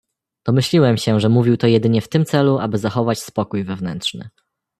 "Domyśliłem się, że mówił to jedynie w tym celu, aby zachować spokój wewnętrzny."